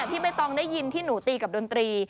พี่ใบตองได้ยินที่หนูตีกับดนตรี